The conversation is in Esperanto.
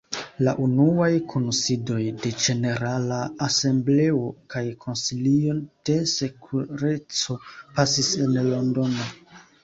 La unuaj kunsidoj de Ĝenerala Asembleo kaj Konsilio de Sekureco pasis en Londono.